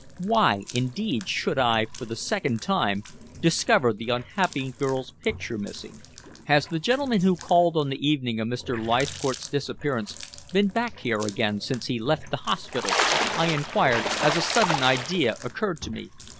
Why, indeed, should I, for the second time, discover the unhappy girl's picture missing? "Has the gentleman who called on the evening of Mr. Leithcourt's disappearance been back here again since he left the hospital?" I inquired as a sudden idea occurred to me.